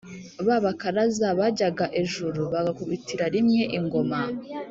ba bakaraza bajyaga ejuru, bagakubitira rimwe ingoma.